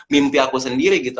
mimpi aku sendiri gitu